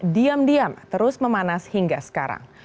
diam diam terus memanas hingga sekarang